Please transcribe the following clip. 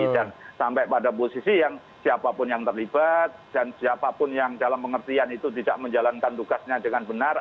dan sampai pada posisi yang siapa pun yang terlibat dan siapa pun yang dalam pengertian itu tidak menjalankan tugasnya dengan benar